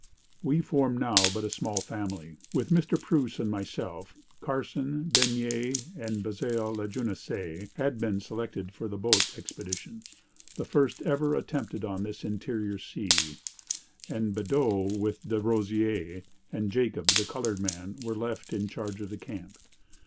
"'We formed now but a small family. With Mr. Preuss and myself, Carson, Bernier, and Basil Lajeunesse had been selected for the boat expedition the first ever attempted on this interior sea; and Badeau, with Derosier, and Jacob (the colored man), were to be left in charge of the camp.